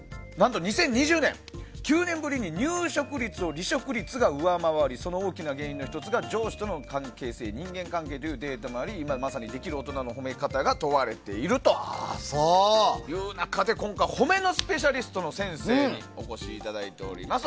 何と、２０２０年９年ぶりに入職率が離職率を上回りその大きな原因の１つが上司との関係性人間関係というデータもありまさに今できる大人の褒め方が問われているという中で今回は褒めのスペシャリストの先生にお越しいただいております。